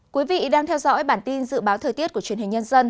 quý vị đang theo dõi bản tin dự báo thời tiết của truyền hình nhân dân